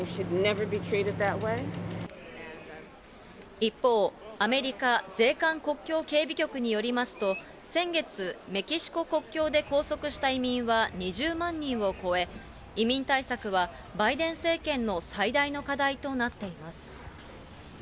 一方、アメリカ税関・国境整備局によりますと、先月、メキシコ国境で拘束した移民は２０万人を超え、移民対策はバイデン政権の最大の課題となっています。